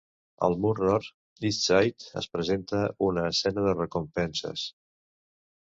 Al mur nord, East Side, es representa una escena de recompenses.